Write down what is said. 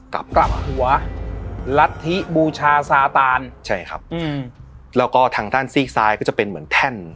กลับกลับหัวรัฐธิบูชาซาตานใช่ครับอืมแล้วก็ทางด้านซีกซ้ายก็จะเป็นเหมือนแท่น